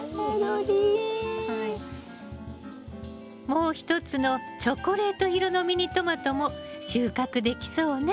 もう一つのチョコレート色のミニトマトも収穫できそうね！